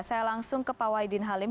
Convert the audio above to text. saya langsung ke pak wahidin halim